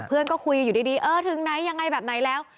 เพื่อนก็คุยอยู่ดีเออถึงไหนยังไงแบบไหนแล้ว